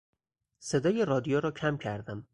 صدای رادیو را کم کردم.